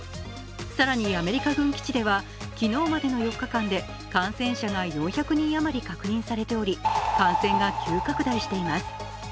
更にアメリカ軍基地では昨日までの４日間で感染者が４００人あまり確認されており、感染が急拡大しています。